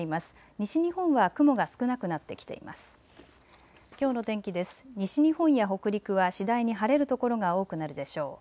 西日本や北陸は次第に晴れる所が多くなるでしょう。